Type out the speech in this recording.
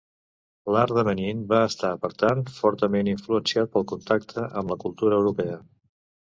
L'art de Benín va estar, per tant, fortament influenciat pel contacte amb la cultura europea.